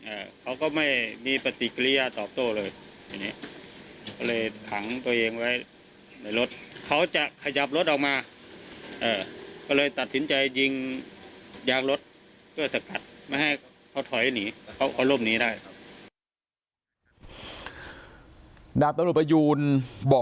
เขาก็ไม่มีปฏิกิริยาตอบโต้เลยทีนี้ก็เลยขังตัวเองไว้ในรถเขาจะขยับรถออกมาเอ่อก็เลยตัดสินใจยิงยางรถเพื่อสกัดไม่ให้เขาถอยหนีเขาเขาร่มหนีได้ครับ